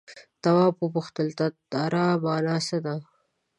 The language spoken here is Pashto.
تواب وپوښتل تتارا مانا څه ده.